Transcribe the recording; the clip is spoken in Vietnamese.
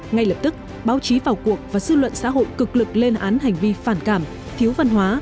ngay lập tức báo chí vào cuộc và dư luận xã hội cực lực lên án hành vi phản cảm thiếu văn hóa